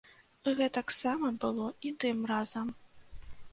Гэтаксама было і тым разам.